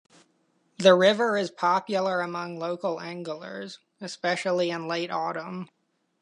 The river is popular among local anglers, especially in late Autumn.